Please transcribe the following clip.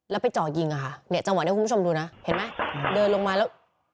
แล้วไปจ่อยิงอ่ะค่ะเนี่ยจังหวะนี้คุณผู้ชมดูนะเห็นไหมเดินลงมาแล้ว